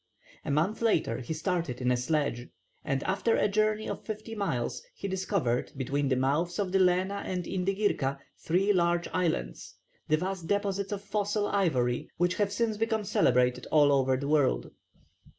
A month later he started in a sledge, and after a journey of fifty miles he discovered between the mouths of the Lena and Indighirka three large islands, the vast deposits of fossil ivory on which have since become celebrated all over the world.